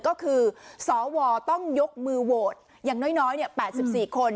ก็คือสวต้องยกมือโหวตอย่างน้อย๘๔คน